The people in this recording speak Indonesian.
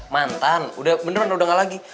mantan udah beneran udah gak lagi